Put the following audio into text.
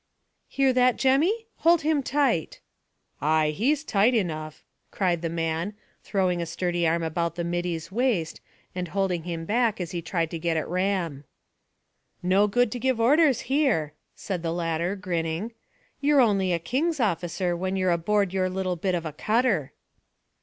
"Hear that, Jemmy? Hold him tight." "Ay! He's tight enough!" cried the man, throwing a sturdy arm about the middy's waist, and holding him back as he tried to get at Ram. "No good to give orders here," said the latter, grinning. "You're only a king's officer when you're aboard your little bit of a cutter."